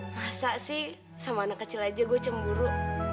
masa sih sama anak kecil aja gue cemburu